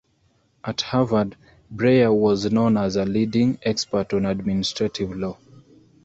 At Harvard, Breyer was known as a leading expert on administrative law.